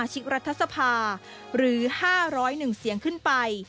หรือ๕๐๑เสียงขึ้นไป